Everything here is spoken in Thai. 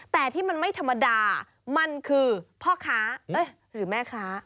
แต่ที่มันไม่ธรรมดามันคือพ่อค้าหรือแม่ค้า